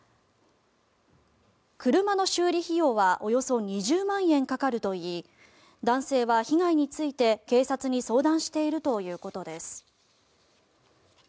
車の修理費用はおよそ２０万円かかるといい男性は被害について、警察に相談しているということです。